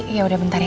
yaudah bentar ya